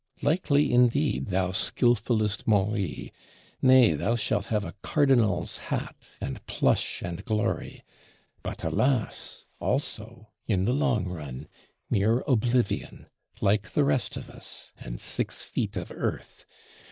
Likely indeed, thou skillfulest Maury; nay thou shalt have a Cardinal's hat, and plush and glory; but alas, also, in the long run mere oblivion, like the rest of us, and six feet of earth!